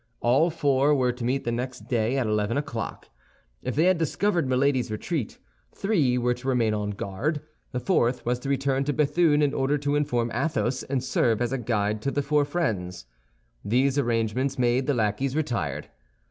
All four were to meet the next day at eleven o'clock. If they had discovered Milady's retreat, three were to remain on guard; the fourth was to return to Béthune in order to inform Athos and serve as a guide to the four friends. These arrangements made, the lackeys retired.